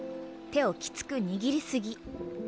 手をきつく握り過ぎ。